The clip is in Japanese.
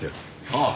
ああ。